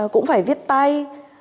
cũng phải viết tay